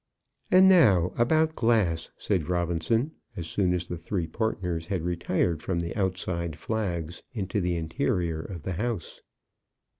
"And now about glass," said Robinson, as soon as the three partners had retired from the outside flags into the interior of the house.